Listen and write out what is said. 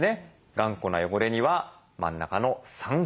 頑固な汚れには真ん中の酸性。